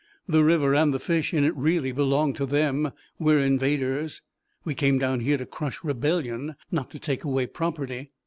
The river and the fish in it really belong to them. We're invaders. We came down here to crush rebellion, not to take away property."